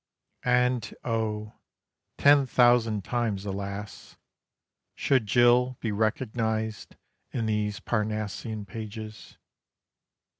And oh! ten thousand times alas, should Jill Be recognised in these Parnassian pages.